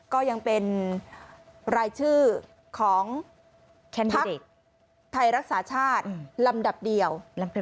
ก็ยังเป็นรายชื่อของพักไทยรักษาชาติลำดับเดียว